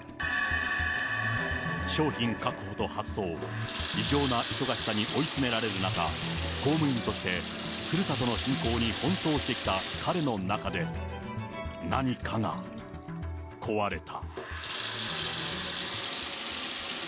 商品確保と発送、異常な忙しさに追い詰められる中、公務員としてふるさとの振興に奔走してきた彼の中で、何かが壊れた。